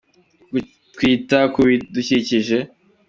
Kwita ku bidukikije